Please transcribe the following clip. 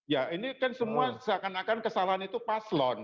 ya ini kan semua seakan akan kesalahan itu paslon